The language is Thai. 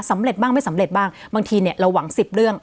สำเร็จบ้างไม่สำเร็จบ้างบางทีเนี่ยเราหวัง๑๐เรื่อง